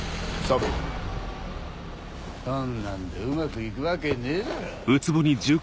そんなんでうまく行くわけねえだろ。